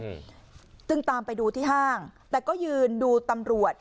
อืมจึงตามไปดูที่ห้างแต่ก็ยืนดูตำรวจ